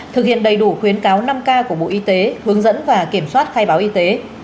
thực hiện đầy đủ khuyến cáo năm k của bộ y tế hướng dẫn và kiểm soát khai báo y tế